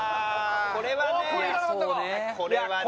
これはね。